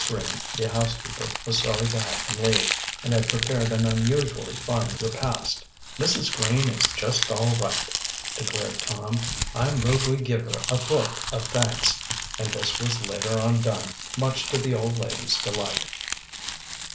Green, the housekeeper, was sorry to have them leave, and had prepared an unusually fine repast. "Mrs. Green is just all right," declared Tom. "I move we give her a vote of thanks." And this was later on done, much to the old lady's delight.